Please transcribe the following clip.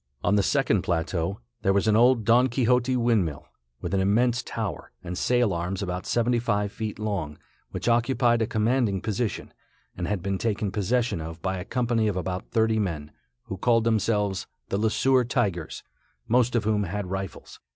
On the second plateau, there was an old Don Quixote windmill, with an immense tower and sail arms about seventy five feet long, which occupied a commanding position, and had been taken possession of by a company of about thirty men, who called themselves the Le Sueur Tigers, most of whom had rifles.